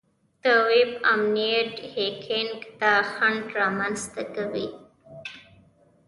د ویب امنیت هیکینګ ته خنډ رامنځته کوي.